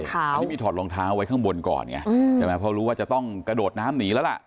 อันนี้มีถอดรองเท้าไว้ข้างบนก่อนไงใช่ไหมเพราะรู้ว่าจะต้องกระโดดน้ำหนีแล้วล่ะ